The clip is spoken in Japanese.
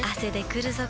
くるぞ？